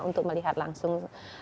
untuk melihat langsung